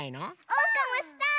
おうかもしたい！